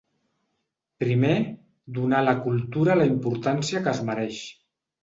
Primer, donar a la cultura la importància que es mereix.